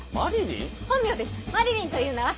本名です麻理鈴という名は。